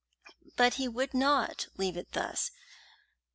But he would not leave it thus.